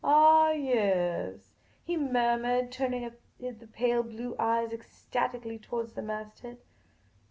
" Ah, yaas," he mur mured, turning up the pale blue eyes ecstatically towards the mast head.